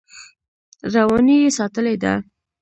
رواني یې ساتلې ده.